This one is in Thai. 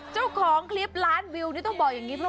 เจ้าของคลิปร้านวิวต้องบอกว่าอย่างนี้